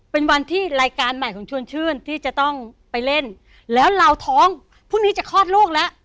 เป็นวันที่รายการใหม่ของชวนชื่นที่จะต้องไปเล่นแล้วเราท้องพรุ่งนี้จะคลอดลูกแล้ว